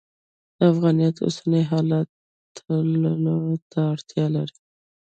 د افغانیت اوسني حالت تللو ته اړتیا لري.